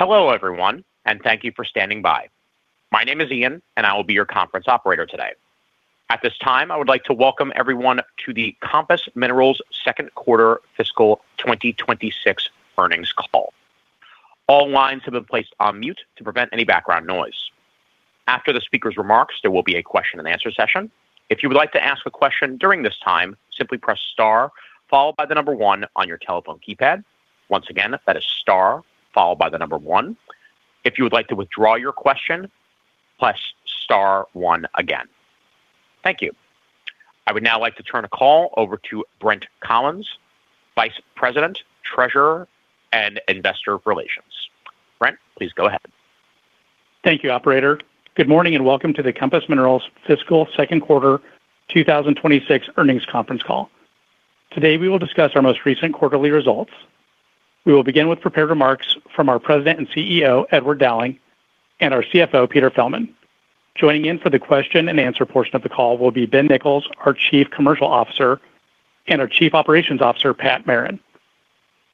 Hello, everyone, and thank you for standing by. My name is Ian, and I will be your conference operator today. At this time, I would like to welcome everyone to the Compass Minerals second quarter fiscal 2026 earnings call. All lines have been placed on mute to prevent any background noise. After the speaker's remarks, there will be a question and answer session. If you would like to ask a question during this time, simply press star followed by the number one on your telephone keypad. Once again, that is star followed by the number one. If you would like to withdraw your question, press star one again. Thank you. I would now like to turn the call over to Brent Collins, Vice President, Treasurer, and Investor Relations. Brent, please go ahead. Thank you, operator. Good morning, and welcome to the Compass Minerals fiscal second quarter 2026 earnings conference call. Today, we will discuss our most recent quarterly results. We will begin with prepared remarks from our President and CEO, Edward Dowling, and our CFO, Peter Fjellman. Joining in for the question and answer portion of the call will be Ben Nichols, our Chief Commercial Officer, and our Chief Operations Officer, Pat Merrin.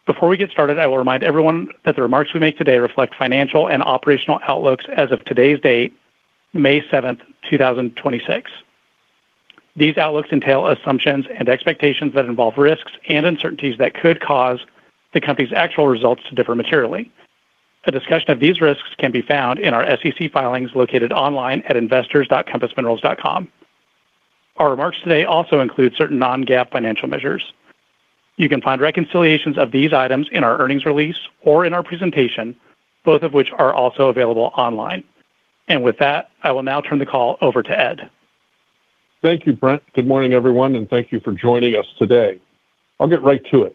Before we get started, I will remind everyone that the remarks we make today reflect financial and operational outlooks as of today's date, May 7, 2026. These outlooks entail assumptions and expectations that involve risks and uncertainties that could cause the company's actual results to differ materially. A discussion of these risks can be found in our SEC filings located online at investors.compassminerals.com. Our remarks today also include certain non-GAAP financial measures. You can find reconciliations of these items in our earnings release or in our presentation, both of which are also available online. With that, I will now turn the call over to Ed. Thank you, Brent. Good morning, everyone, thank you for joining us today. I'll get right to it.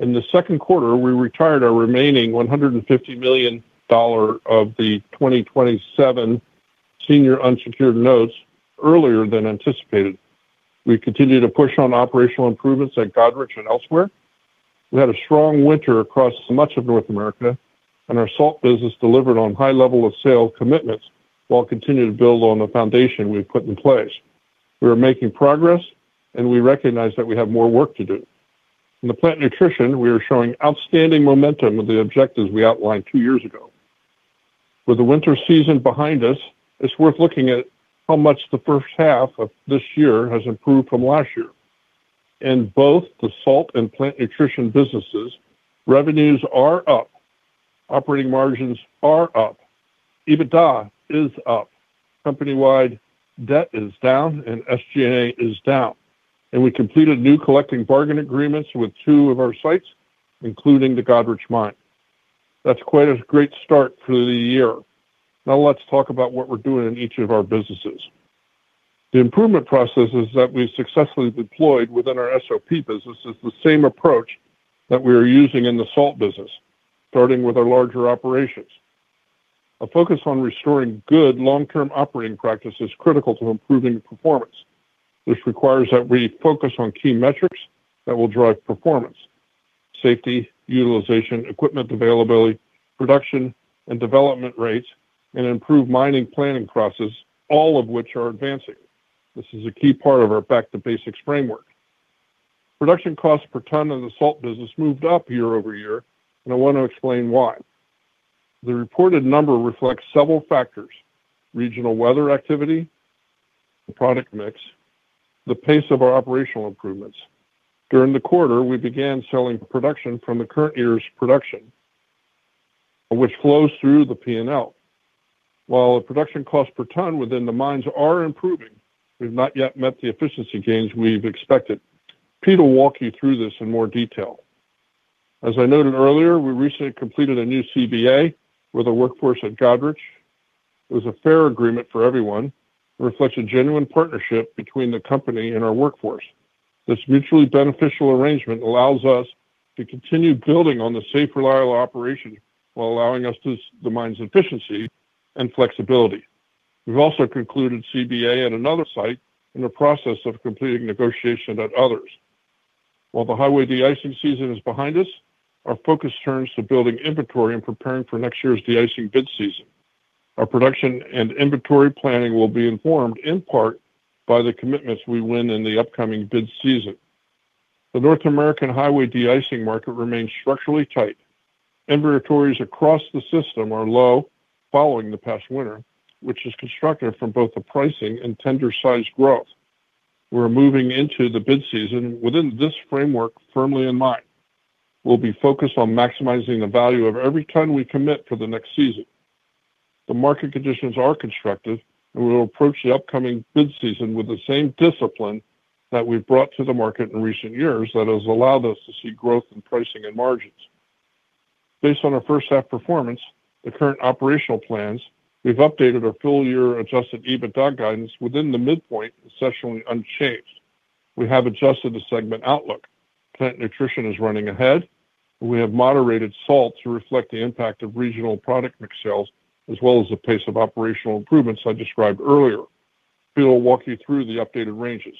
In the second quarter, we retired our remaining $150 million of the 2027 senior unsecured notes earlier than anticipated. We continued to push on operational improvements at Goderich and elsewhere. We had a strong winter across much of North America, our Salt business delivered on high level of sale commitments while continuing to build on the foundation we've put in place. We are making progress, we recognize that we have more work to do. In the Plant Nutrition, we are showing outstanding momentum of the objectives we outlined two years ago. With the winter season behind us, it's worth looking at how much the first half of this year has improved from last year. In both the Salt and Plant Nutrition businesses, revenues are up, operating margins are up, EBITDA is up, company-wide debt is down, SG&A is down. We completed new collective bargaining agreements with two of our sites, including the Goderich Mine. That's quite a great start to the year. Now, let's talk about what we're doing in each of our businesses. The improvement processes that we've successfully deployed within our SOP business is the same approach that we are using in the Salt business, starting with our larger operations. A focus on restoring good long-term operating practice is critical to improving performance, which requires that we focus on key metrics that will drive performance, safety, utilization, equipment availability, production, and development rates, and improve mining planning process, all of which are advancing. This is a key part of our back to basics framework. Production cost per ton in the Salt business moved up year-over-year. I want to explain why. The reported number reflects several factors: regional weather activity, the product mix, the pace of our operational improvements. During the quarter, we began selling production from the current year's production, which flows through the P&L. While the production cost per ton within the mines are improving, we've not yet met the efficiency gains we've expected. Peter will walk you through this in more detail. As I noted earlier, we recently completed a new CBA with the workforce at Goderich. It was a fair agreement for everyone. It reflects a genuine partnership between the company and our workforce. This mutually beneficial arrangement allows us to continue building on the safe, reliable operation while allowing us to the mine's efficiency and flexibility. We've also concluded CBA at another site in the process of completing negotiation at others. While the Highway Deicing season is behind us, our focus turns to building inventory and preparing for next year's deicing bid season. Our production and inventory planning will be informed in part by the commitments we win in the upcoming bid season. The North American Highway Deicing market remains structurally tight. Inventories across the system are low following the past winter, which is constructive from both the pricing and tender size growth. We're moving into the bid season within this framework firmly in mind. We'll be focused on maximizing the value of every ton we commit for the next season. The market conditions are constructive. We'll approach the upcoming bid season with the same discipline that we've brought to the market in recent years that has allowed us to see growth in pricing and margins. Based on our first half performance, the current operational plans, we've updated our full year adjusted EBITDA guidance within the midpoint, essentially unchanged. We have adjusted the segment outlook. Plant Nutrition is running ahead. We have moderated Salt to reflect the impact of regional product mix sales as well as the pace of operational improvements I described earlier. Pete will walk you through the updated ranges.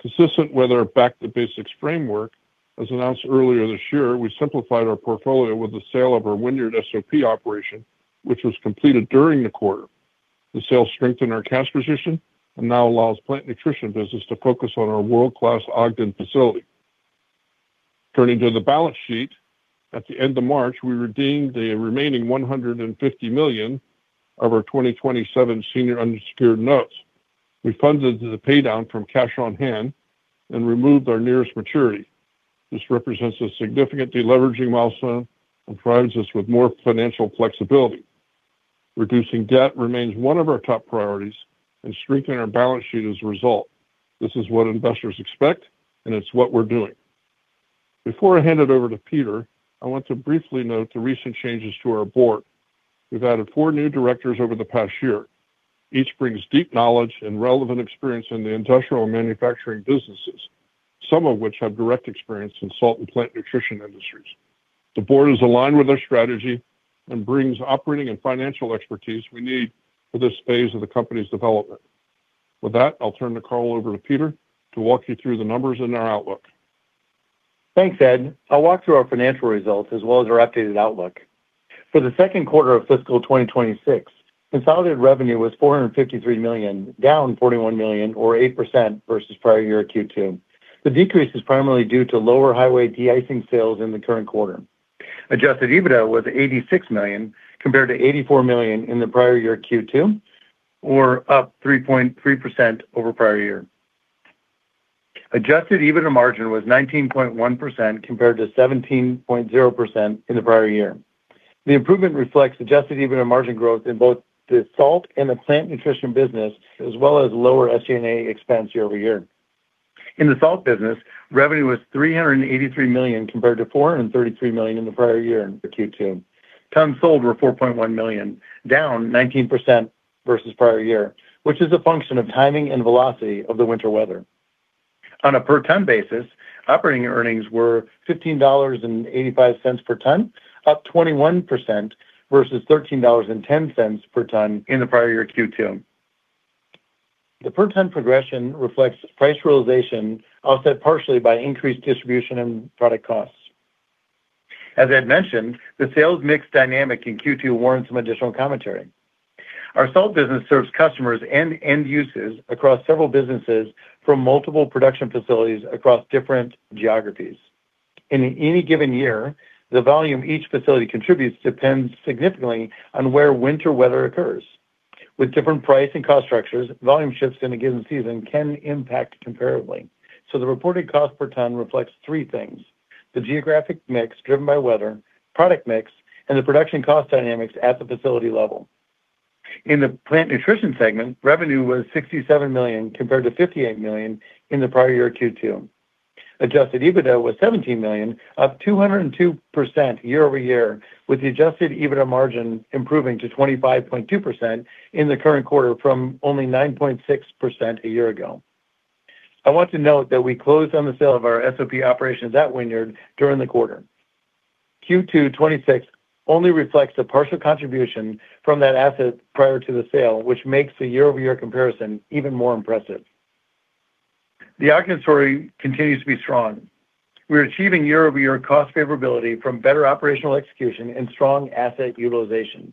Consistent with our back to basics framework, as announced earlier this year, we simplified our portfolio with the sale of our Wynyard SOP operation, which was completed during the quarter. The sale strengthened our cash position and now allows Plant Nutrition business to focus on our world-class Ogden facility. Turning to the balance sheet, at the end of March, we redeemed the remaining $150 million of our 2027 senior unsecured notes. We funded the pay down from cash on hand and removed our nearest maturity. This represents a significant deleveraging milestone and provides us with more financial flexibility. Reducing debt remains one of our top priorities and strengthening our balance sheet as a result. This is what investors expect, and it's what we're doing. Before I hand it over to Peter, I want to briefly note the recent changes to our board. We've added four new directors over the past year. Each brings deep knowledge and relevant experience in the industrial manufacturing businesses, some of which have direct experience in Salt and Plant Nutrition industries. The board is aligned with our strategy and brings operating and financial expertise we need for this phase of the company's development. With that, I'll turn the call over to Peter to walk you through the numbers and our outlook. Thanks, Ed. I'll walk through our financial results as well as our updated outlook. For the second quarter of fiscal 2026, consolidated revenue was $453 million, down $41 million or 8% versus prior year Q2. The decrease is primarily due to lower Highway Deicing sales in the current quarter. Adjusted EBITDA was $86 million compared to $84 million in the prior year Q2, or up 3.3% over prior year. Adjusted EBITDA margin was 19.1% compared to 17.0% in the prior year. The improvement reflects adjusted EBITDA margin growth in both the Salt and the Plant Nutrition business, as well as lower SG&A expense year-over-year. In the Salt business, revenue was $383 million compared to $433 million in the prior year in the Q2. Tons sold were 4.1 million, down 19% versus prior year, which is a function of timing and velocity of the winter weather. On a per ton basis, operating earnings were $15.85 per ton, up 21% versus $13.10 per ton in the prior year Q2. The per ton progression reflects price realization offset partially by increased distribution and product costs. As Ed mentioned, the sales mix dynamic in Q2 warrants some additional commentary. Our Salt business serves customers and end users across several businesses from multiple production facilities across different geographies. In any given year, the volume each facility contributes depends significantly on where winter weather occurs. With different price and cost structures, volume shifts in a given season can impact comparably. The reported cost per ton reflects three things: the geographic mix driven by weather, product mix, and the production cost dynamics at the facility level. In the Plant Nutrition segment, revenue was $67 million compared to $58 million in the prior year Q2. Adjusted EBITDA was $17 million, up 202% year-over-year, with the adjusted EBITDA margin improving to 25.2% in the current quarter from only 9.6% a year ago. I want to note that we closed on the sale of our SOP operations at Wynyard during the quarter. Q2 2026 only reflects a partial contribution from that asset prior to the sale, which makes the year-over-year comparison even more impressive. The Ogden story continues to be strong. We are achieving year-over-year cost favorability from better operational execution and strong asset utilization.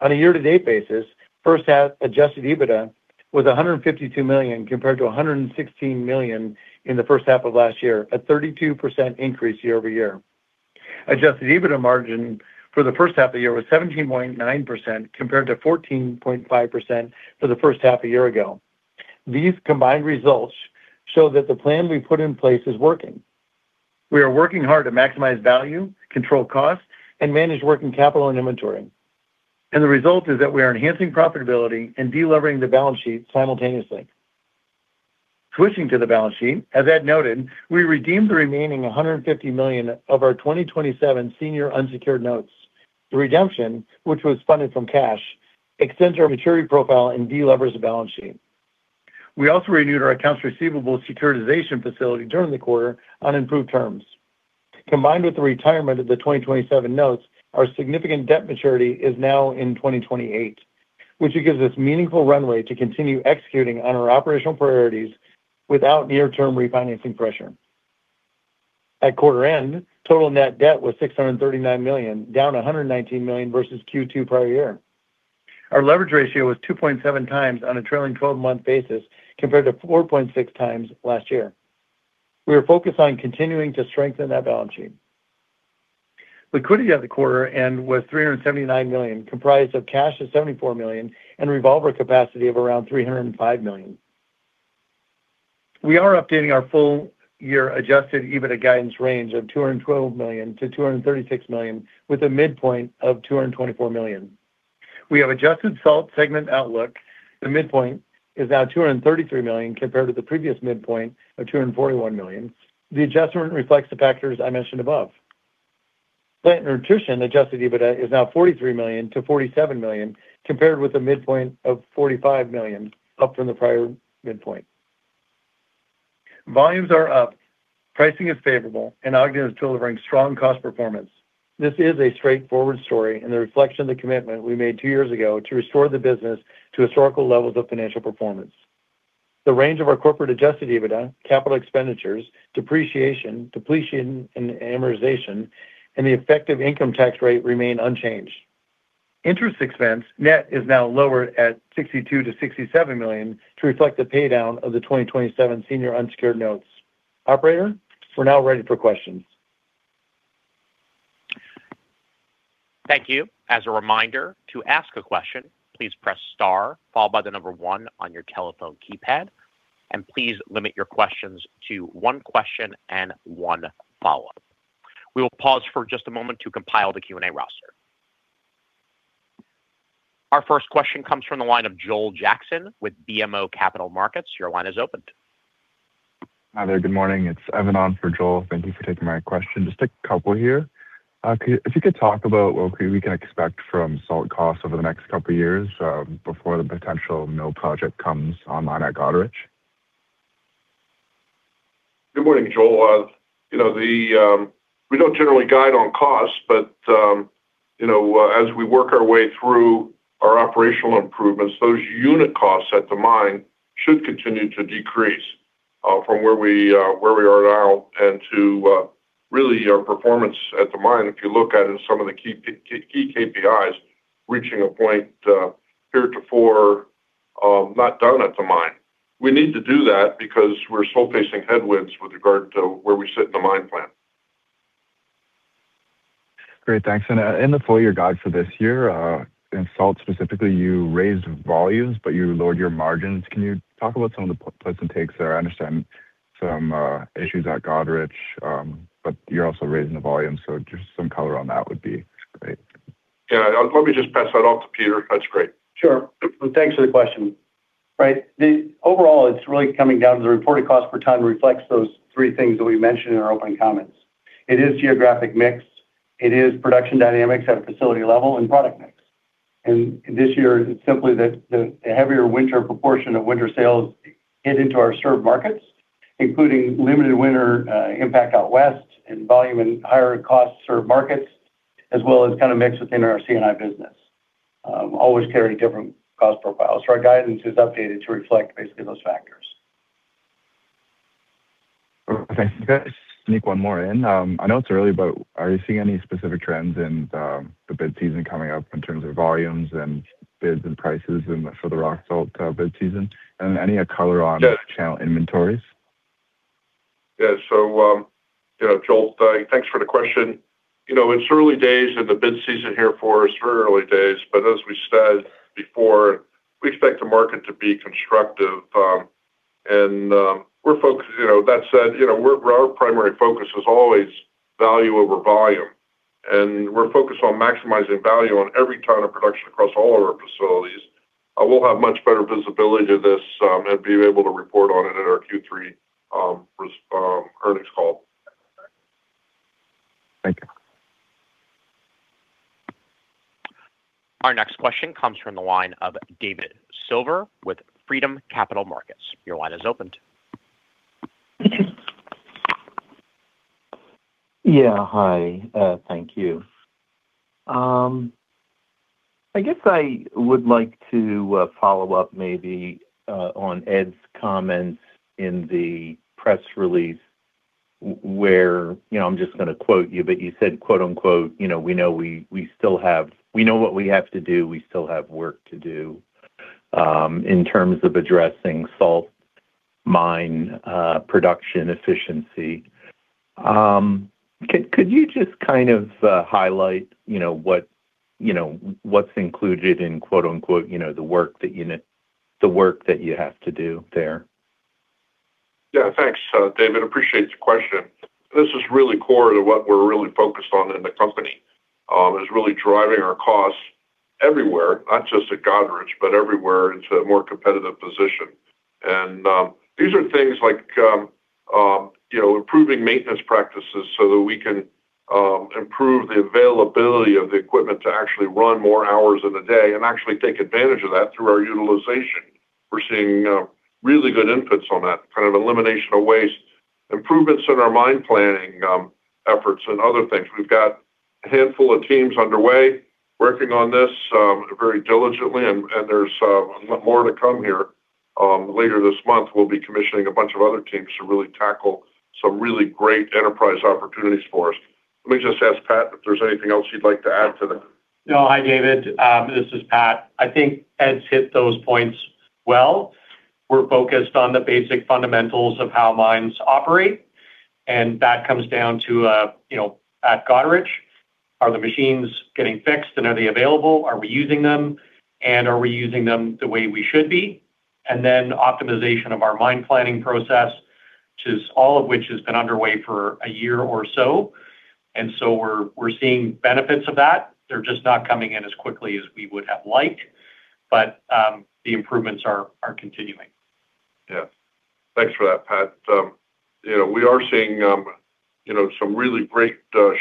On a year-to-date basis, first half adjusted EBITDA was $152 million compared to $116 million in the first half of last year, a 32% increase year-over-year. Adjusted EBITDA margin for the first half of the year was 17.9% compared to 14.5% for the first half a year ago. These combined results show that the plan we put in place is working. We are working hard to maximize value, control cost, and manage working capital and inventory. The result is that we are enhancing profitability and delevering the balance sheet simultaneously. Switching to the balance sheet, as Ed noted, we redeemed the remaining $150 million of our 2027 senior unsecured notes. The redemption, which was funded from cash, extends our maturity profile and delevers the balance sheet. We also renewed our accounts receivable securitization facility during the quarter on improved terms. Combined with the retirement of the 2027 notes, our significant debt maturity is now in 2028, which gives us meaningful runway to continue executing on our operational priorities without near term refinancing pressure. At quarter end, total net debt was $639 million, down $119 million versus Q2 prior year. Our leverage ratio was 2.7x on a trailing 12 month basis compared to 4.6x last year. We are focused on continuing to strengthen that balance sheet. Liquidity at the quarter end was $379 million, comprised of cash of $74 million and revolver capacity of around $305 million. We are updating our full year adjusted EBITDA guidance range of $212 million-$236 million, with a midpoint of $224 million. We have adjusted Salt segment outlook. The midpoint is now $233 million compared to the previous midpoint of $241 million. The adjustment reflects the factors I mentioned above. Plant Nutrition adjusted EBITDA is now $43 million-$47 million compared with a midpoint of $45 million, up from the prior midpoint. Volumes are up, pricing is favorable, and Ogden is delivering strong cost performance. This is a straightforward story and a reflection of the commitment we made two years ago to restore the business to historical levels of financial performance. The range of our corporate adjusted EBITDA, capital expenditures, depreciation, depletion, and amortization, and the effective income tax rate remain unchanged. Interest expense net is now lower at $62 million-$67 million to reflect the paydown of the 2027 senior unsecured notes. Operator, we're now ready for questions. Thank you. As a reminder, to ask a question, please press star followed by number one on your telephone keypad, and please limit your questions to one question and one follow-up. We will pause for just a moment to compile the Q&A roster. Our first question comes from the line of Joel Jackson with BMO Capital Markets. Your line is open. Hi there. Good morning. It's Evan on for Joel. Thank you for taking my question. Just a couple here. If you could talk about what we can expect from Salt costs over the next couple of years before the potential mill project comes online at Goderich. Good morning, Joel. You know, the, we don't generally guide on costs, but, you know, as we work our way through our operational improvements, those unit costs at the mine should continue to decrease from where we, where we are now and to really our performance at the mine, if you look at in some of the key KPIs, reaching a point, heretofore left at the mine. We need to do that because we're still facing headwinds with regard to where we sit in the mine plan. Great. Thanks. In the full year guide for this year, in Salt, specifically, you raised volumes, but you lowered your margins. Can you talk about some of the plus and takes there? I understand some issues at Goderich, but you're also raising the volume, so just some color on that would be great. Yeah. Let me just pass that off to Peter. That's great. Sure. Thanks for the question. Right. Overall, it's really coming down to the reported cost per ton reflects those three things that we mentioned in our opening comments. It is geographic mix, it is production dynamics at a facility level and product mix. This year, it's simply that the heavier winter proportion of winter sales into our served markets, including limited winter impact out west and volume and higher costs served markets, as well as kind of mix within our C&I business always carry different cost profiles. Our guidance is updated to reflect basically those factors. Okay. Can I just sneak one more in? I know it's early, but are you seeing any specific trends in the bid season coming up in terms of volumes and bids and prices and for the rock salt bid season? Any color on- Yes ...channel inventories? You know, Joel, thanks for the question. You know, it's early days in the bid season here for us, very early days, but as we said before, we expect the market to be constructive. That said, you know, our primary focus is always value over volume, and we're focused on maximizing value on every ton of production across all of our facilities. I will have much better visibility to this, and be able to report on it at our Q3 earnings call. Thank you. Our next question comes from the line of David Silver with Freedom Capital Markets. Your line is opened. Yeah. Hi. Thank you. I guess I would like to follow up maybe on Ed's comments in the press release where, you know, I'm just gonna quote you, but you said, quote-unquote, you know, "We know what we have to do. We still have work to do," in terms of addressing Salt mine production efficiency. Could you just kind of highlight, you know, what, you know, what's included in quote-unquote, you know, the work that you have to do there? Thanks, David. Appreciate the question. This is really core to what we're really focused on in the company, is really driving our costs everywhere, not just at Goderich, but everywhere into a more competitive position. These are things like, you know, improving maintenance practices so that we can improve the availability of the equipment to actually run more hours in the day and actually take advantage of that through our utilization. We're seeing really good inputs on that, kind of elimination of waste, improvements in our mine planning efforts and other things. We've got a handful of teams underway working on this very diligently, and there's a lot more to come here. Later this month, we'll be commissioning a bunch of other teams to really tackle some really great enterprise opportunities for us. Let me just ask Pat if there's anything else you'd like to add to that. No. Hi, David. This is Pat. I think Ed's hit those points well. We're focused on the basic fundamentals of how mines operate. That comes down to, you know, at Goderich, are the machines getting fixed? Are they available? Are we using them? Are we using them the way we should be? Optimization of our mine planning process, which is all of which has been underway for 1 year or so. We're seeing benefits of that. They're just not coming in as quickly as we would have liked. The improvements are continuing. Yeah. Thanks for that, Pat. You know, we are seeing, you know, some really great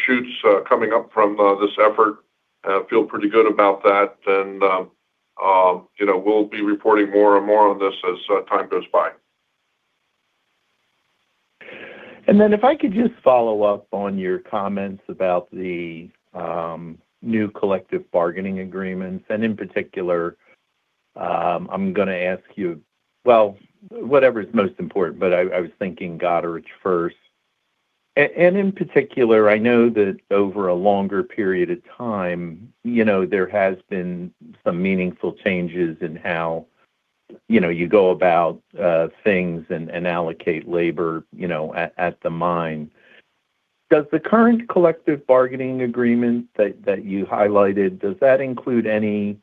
shoots coming up from this effort. Feel pretty good about that. You know, we'll be reporting more and more on this as time goes by. If I could just follow up on your comments about the new collective bargaining agreements, in particular, I'm gonna ask you, well, whatever is most important, but I was thinking Goderich first. In particular, I know that over a longer period of time, you know, there has been some meaningful changes in how, you know, you go about things and allocate labor, you know, at the mine. Does the current collective bargaining agreement that you highlighted include any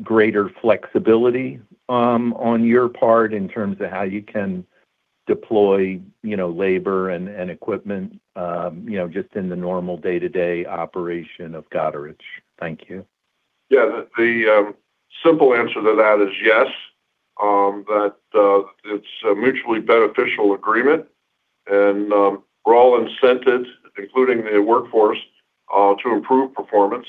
greater flexibility on your part in terms of how you can deploy, you know, labor and equipment, you know, just in the normal day-to-day operation of Goderich? Thank you. Yeah. The, the simple answer to that is yes. It's a mutually beneficial agreement, and we're all incented, including the workforce, to improve performance.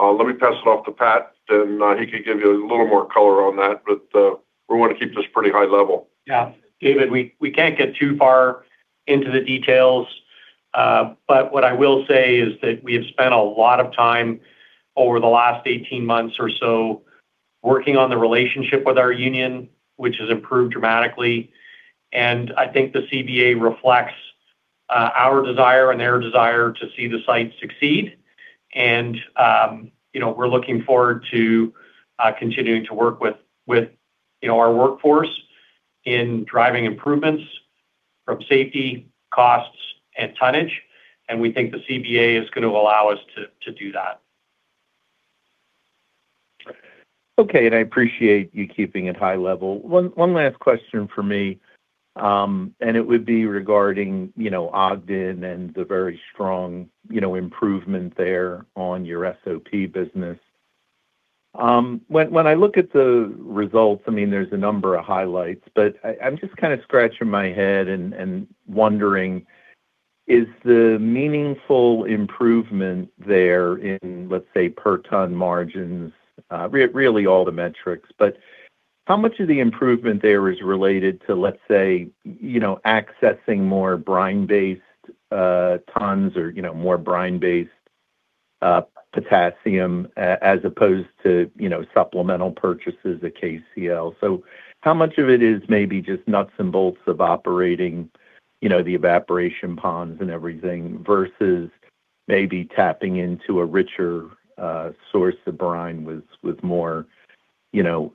Let me pass it off to Pat, and he can give you a little more color on that, we wanna keep this pretty high level. Yeah. David, we can't get too far into the details. What I will say is that we have spent a lot of time over the last 18 months or so working on the relationship with our union, which has improved dramatically. I think the CBA reflects our desire and their desire to see the site succeed. You know, we're looking forward to continuing to work with, you know, our workforce in driving improvements from safety, costs, and tonnage, and we think the CBA is gonna allow us to do that. Okay. I appreciate you keeping it high level. One last question from me, and it would be regarding, you know, Ogden and the very strong, you know, improvement there on your SOP business. When I look at the results, I mean, there's a number of highlights, but I'm just kinda scratching my head and wondering, is the meaningful improvement there in, let's say, per ton margins, really all the metrics, but how much of the improvement there is related to, let's say, you know, accessing more brine-based tons or, you know, more brine-based potassium as opposed to, you know, supplemental purchases of KCl? How much of it is maybe just nuts and bolts of operating, you know, the evaporation ponds and everything versus maybe tapping into a richer source of brine with more, you know,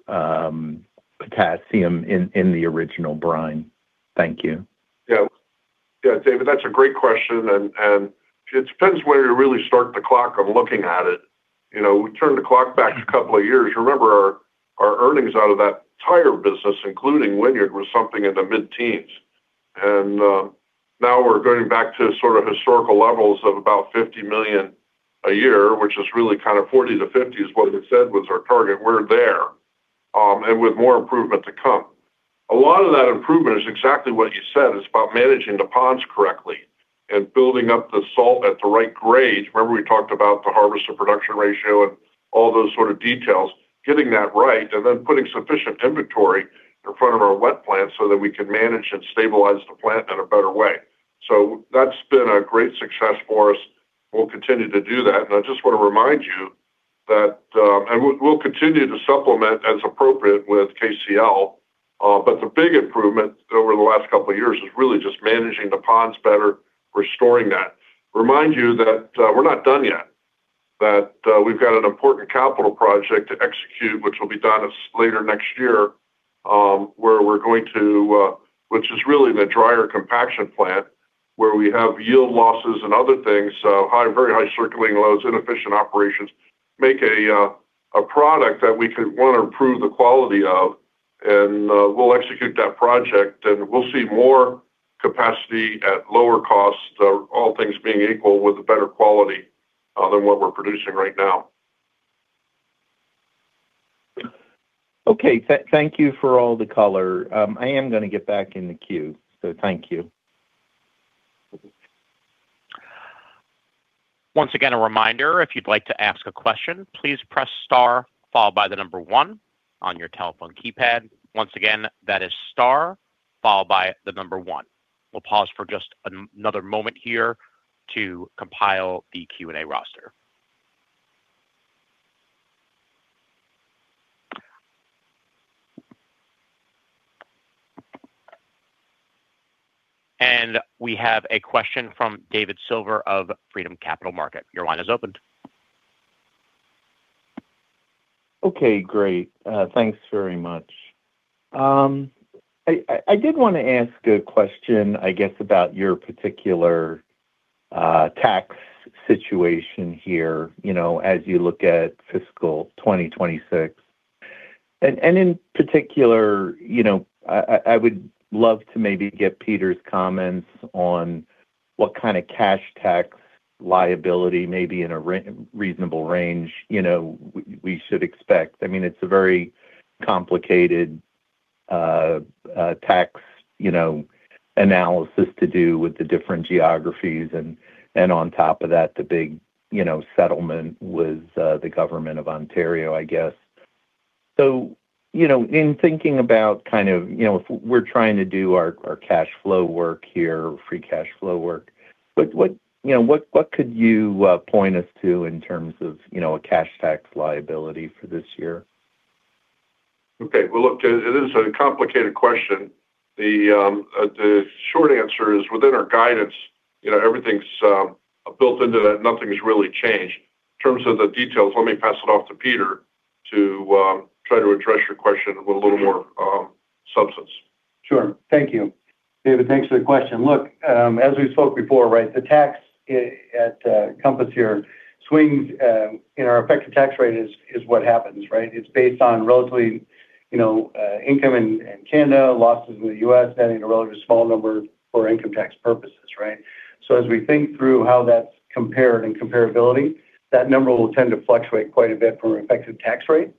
potassium in the original brine? Thank you. Yeah. Yeah, David, that's a great question. It depends where you really start the clock of looking at it. You know, we turn the clock back a couple of years, you remember our earnings out of that entire business, including Wynyard, was something in the mid-teens. Now we're going back to sort of historical levels of about $50 million a year, which is really kind of $40 million-$50 million is what we said was our target. We're there, with more improvement to come. A lot of that improvement is exactly what you said. It's about managing the ponds correctly and building up the Salt at the right grade. Remember we talked about the harvest to production ratio and all those sort of details. Getting that right and then putting sufficient inventory in front of our wet plant so that we can manage and stabilize the plant in a better way. That's been a great success for us. We'll continue to do that. I just wanna remind you that we'll continue to supplement as appropriate with KCl. The big improvement over the last couple of years is really just managing the ponds better, restoring that. Remind you that we're not done yet, that we've got an important capital project to execute, which will be done as later next year, where we're going to, which is really the dryer compaction plant, where we have yield losses and other things, so high, very high circulating loads, inefficient operations, make a product that we could wanna improve the quality of. We'll execute that project, and we'll see more capacity at lower cost, all things being equal, with a better quality, than what we're producing right now. Okay. Thank you for all the color. I am gonna get back in the queue, so thank you. Once again, a reminder, if you'd like to ask a question, please press star followed by the number one on your telephone keypad. Once again, that is star followed by the number one. We'll pause for just another moment here to compile the Q&A roster. We have a question from David Silver of Freedom Capital Markets. Your line is opened. Okay, great. Thanks very much. I did want to ask a question, I guess, about your particular tax situation here, you know, as you look at fiscal 2026. In particular, you know, I would love to maybe get Peter's comments on what kind of cash tax liability maybe in a reasonable range, you know, we should expect. I mean, it's a very complicated tax, you know, analysis to do with the different geographies and on top of that, the big, you know, settlement with the government of Ontario, I guess. You know, in thinking about kind of, you know, if we're trying to do our cash flow work here, free cash flow work, what, you know, what could you point us to in terms of, you know, a cash tax liability for this year? Okay. Well, look, it is a complicated question. The short answer is within our guidance, you know, everything's built into that. Nothing's really changed. In terms of the details, let me pass it off to Peter to try to address your question with a little more substance. Sure. Thank you. David, thanks for the question. Look, as we spoke before, right, the tax at Compass here swings in our effective tax rate is what happens, right? It's based on relatively, you know, income in Canada, losses in the U.S., that being a relatively small number for income tax purposes, right? As we think through how that's compared and comparability, that number will tend to fluctuate quite a bit from an effective tax rate.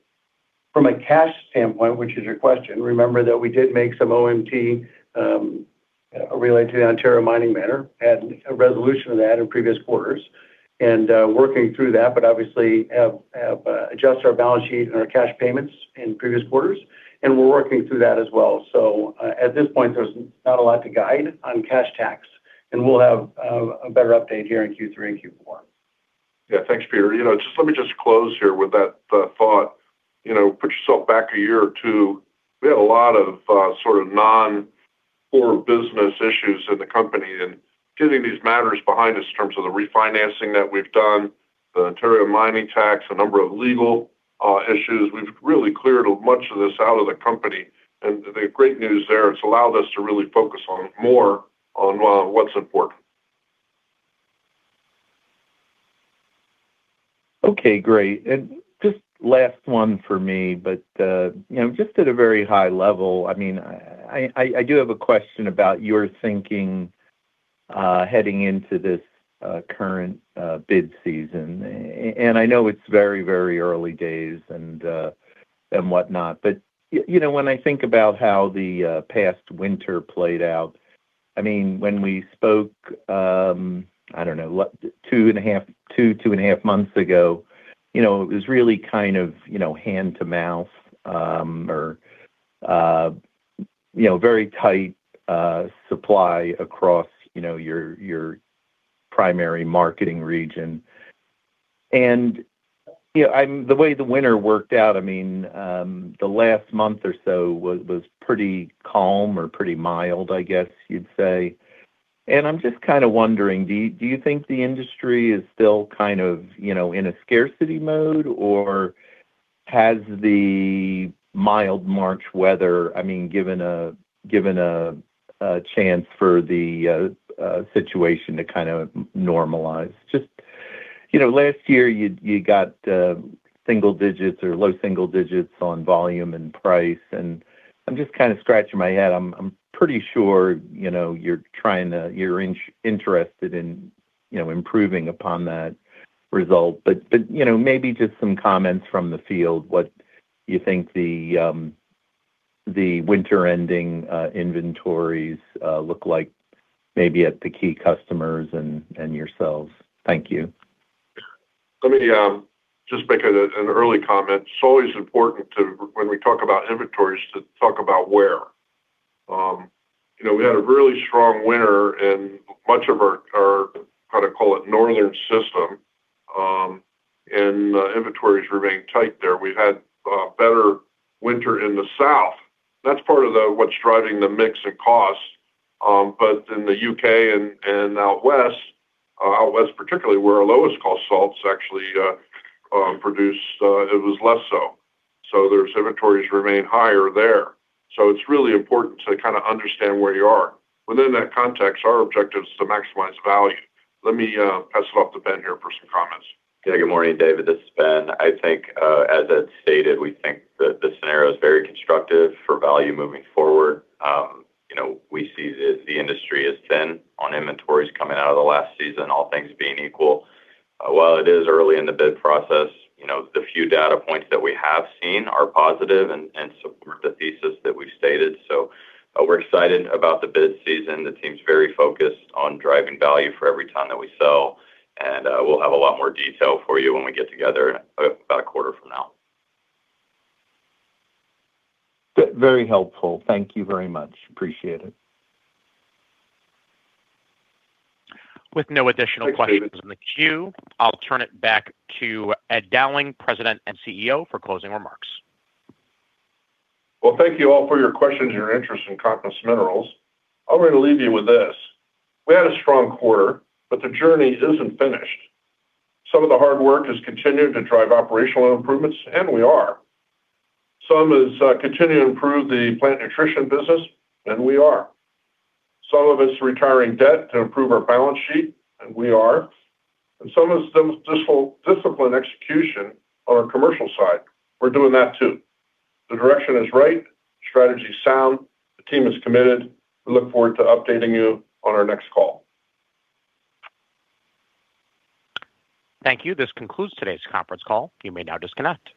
From a cash standpoint, which is your question, remember that we did make some OMT related to the Ontario mining matter, had a resolution of that in previous quarters. Working through that, but obviously have adjusted our balance sheet and our cash payments in previous quarters, and we're working through that as well. At this point, there's not a lot to guide on cash tax, and we'll have a better update here in Q3 and Q4. Yeah. Thanks, Peter. You know, just let me just close here with that thought. You know, put yourself back a year or two, we had a lot of sort of non-core business issues in the company. Getting these matters behind us in terms of the refinancing that we've done, the Ontario mining tax, a number of legal issues, we've really cleared much of this out of the company. The great news there, it's allowed us to really focus on more on what's important. Okay. Great. Just last one for me, but, you know, just at a very high level, I mean, I, I do have a question about your thinking, heading into this, current, bid season. I know it's very, very early days and whatnot, but you know, when I think about how the past winter played out, I mean, when we spoke, I don't know, 2.5 months ago, you know, it was really kind of, you know, hand to mouth, or, you know, very tight, supply across, you know, your primary marketing region. You know, the way the winter worked out, I mean, the last month or so was pretty calm or pretty mild, I guess you'd say. I'm just kinda wondering, do you think the industry is still kind of, you know, in a scarcity mode, or has the mild March weather, I mean, given a, given a chance for the situation to kind of normalize? Just, you know, last year you got single digits or low single digits on volume and price, and I'm just kinda scratching my head. I'm pretty sure, you know, you're interested in, you know, improving upon that result. You know, maybe just some comments from the field, what you think the winter-ending inventories look like maybe at the key customers and yourselves. Thank you. Let me just make an early comment. It's always important when we talk about inventories to talk about where. You know, we had a really strong winter in much of our, how to call it, northern system, and inventories remained tight there. We had a better winter in the south. That's part of what's driving the mix and costs. In the U.K. and out west, out west particularly, where our lowest cost Salts actually produce, it was less so. Those inventories remain higher there. It's really important to kinda understand where you are. Within that context, our objective is to maximize value. Let me pass it off to Ben here for some comments. Good morning, David. This is Ben. I think, as Ed stated, we think that the scenario is very constructive for value moving forward. You know, we see the industry is thin on inventories coming out of the last season, all things being equal. While it is early in the bid process, you know, the few data points that we have seen are positive and support the thesis that we've stated. We're excited about the bid season. The team's very focused on driving value for every ton that we sell, and we'll have a lot more detail for you when we get together about a quarter from now. Very helpful. Thank you very much. Appreciate it. With no additional questions- Thanks, David. ...in the queue, I'll turn it back to Ed Dowling, President and CEO, for closing remarks. Well, thank you all for your questions and your interest in Compass Minerals. I'm gonna leave you with this. We had a strong quarter, but the journey isn't finished. Some of the hard work has continued to drive operational improvements, and we are. Some is continue to improve the Plant Nutrition business, and we are. Some of it's retiring debt to improve our balance sheet, and we are. Some of it's discipline execution on our commercial side. We're doing that too. The direction is right, strategy's sound, the team is committed. We look forward to updating you on our next call. Thank you. This concludes today's conference call. You may now disconnect.